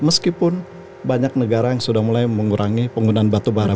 meskipun banyak negara yang sudah mulai mengurangi penggunaan batubara